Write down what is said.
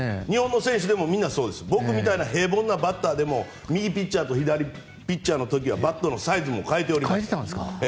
日本の選手でもみんなそうです僕みたいな平凡なバッターでも右ピッチャーと左ピッチャーの時はバットのサイズも変えておりました。